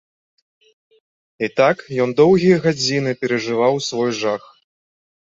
І так ён доўгія гадзіны перажываў свой жах.